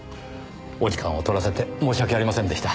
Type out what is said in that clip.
お時間を取らせて申し訳ありませんでした。